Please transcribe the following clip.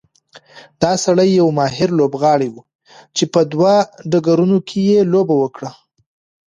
دا سړی یو ماهر لوبغاړی و چې په دوه ډګرونو کې یې لوبه وکړه.